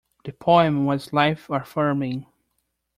The poem was life-affirming.